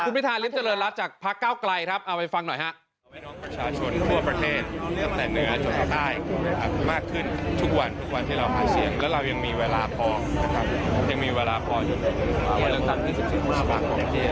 คุณพิทาลิฟท์เจริญรัฐจากพระเก้าไกลเอาไปฟังหน่อย